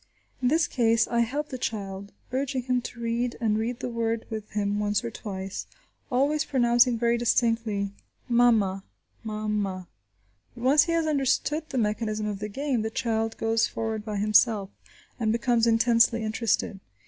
In this case I help the child, urging him to read, and reading the word with him once or twice, always pronouncing very distinctly, mama, mama. But once he has understood the mechanism of the game, the child goes forward by himself, and becomes intensely interested.